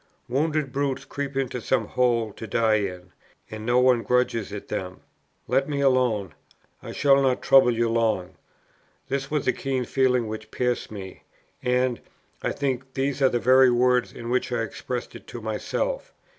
Wounded brutes creep into some hole to die in, and no one grudges it them. Let me alone, I shall not trouble you long. This was the keen feeling which pierced me, and, I think, these are the very words in which I expressed it to myself.